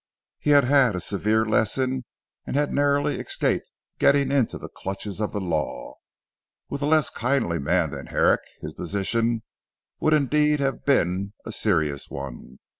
He had had a severe lesson, and had narrowly escaped getting into the clutches of the law. With a less kindly man than Herrick, his position would indeed would have been a serious one.